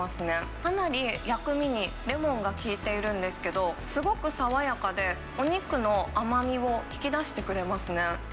かなり薬味にレモンが効いているんですけど、すごく爽やかで、お肉の甘みを引き出してくれますね。